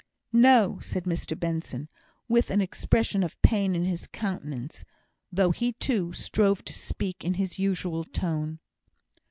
"No!" said Mr Benson, with an expression of pain in his countenance, though he, too, strove to speak in his usual tone.